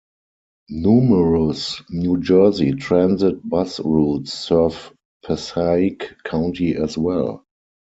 Numerous New Jersey Transit bus routes serve Passaic County as well.